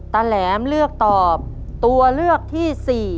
แหลมเลือกตอบตัวเลือกที่๔